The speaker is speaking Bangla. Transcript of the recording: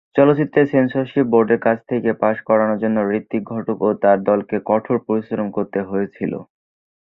চলচ্চিত্রটি সেন্সরশিপ বোর্ডের কাছ থেকে পাস করানোর জন্য ঋত্বিক ঘটক ও তাঁর দলকে কঠোর পরিশ্রম করতে হয়েছিল।